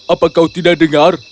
apa kau tidak dengar